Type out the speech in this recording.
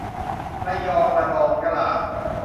ระยอง ระนอง ยะลา